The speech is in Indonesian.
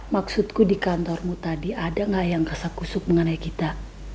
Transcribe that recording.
maksudku di kantormu tadi ada gak yang kesakusuk mengenai kita